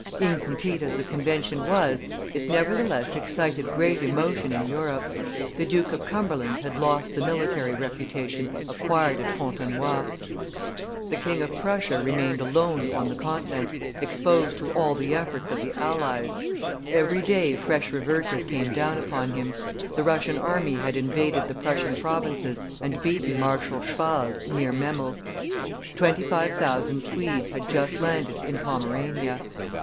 Incomplete as the convention was, it nevertheless excited great emotion in Europe. The Duke of Cumberland had lost the military reputation acquired at Fontenoy; the King of Prussia remained alone on the Continent, exposed to all the efforts of the allies; every day fresh reverses came down upon him; the Russian army had invaded the Prussian provinces and beaten Marshal Schwald near Memel; twenty five thousand Swedes had just landed in Pomerania.